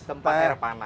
tempat air panas